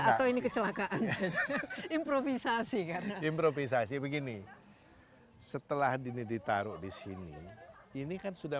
atau ini kecelakaan improvisasi kan improvisasi begini setelah dini ditaruh di sini ini kan sudah